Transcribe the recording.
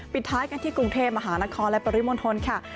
ปิดท้ายกันที่กรุงเทพมหานครและปริมณฑลค่ะ